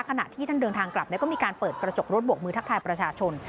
ขณะที่ท่านเดินทางกลับก็มีการเปิดกระจกรถบกมือทักทายประชาชน